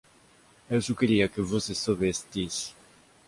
Eu só queria que você soubesse disso.